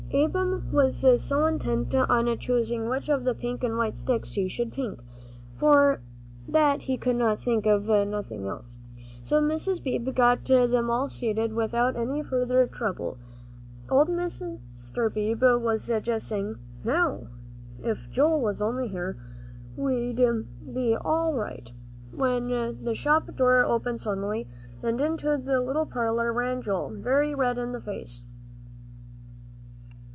Ab'm was so intent on choosing which of the pink and white sticks he should pick for, that he could think of nothing else, so Mrs. Beebe got them all seated without any further trouble. Old Mr. Beebe was just saying, "Now, if Joel was only here, we'd be all right," when the shop door opened suddenly, and into the little parlor ran Joel, very red in the face.